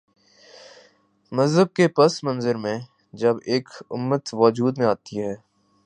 مذہب کے پس منظر میں جب ایک امت وجود میں آتی ہے۔